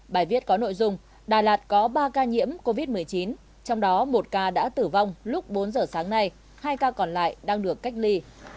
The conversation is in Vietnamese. bài viết có nội dung đà lạt có ba ca nhiễm covid một mươi chín trong đó một ca đã tử vong lúc bốn giờ sáng nay hai ca còn lại đang được cách ly